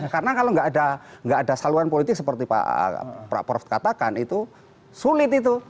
karena kalau nggak ada saluran politik seperti pak prof katakan itu sulit itu